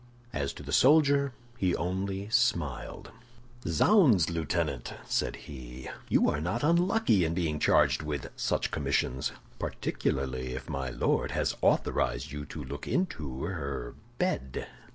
As to the soldier, he only smiled. "Zounds, Lieutenant!" said he; "you are not unlucky in being charged with such commissions, particularly if my Lord has authorized you to look into her bed."